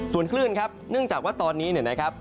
ส่วนคลื่นครับเนื่องจากว่าตอนนี้เนี่ยนะครับ